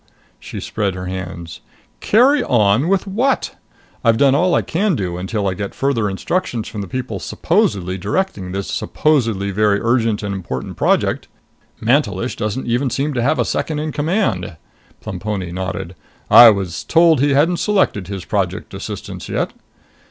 She spread her hands. "Carry on with what? I've done all I can do until I get further instructions from the people supposedly directing this supposedly very urgent and important project! Mantelish doesn't even seem to have a second in command...." Plemponi nodded. "I was told he hadn't selected his Project assistants yet."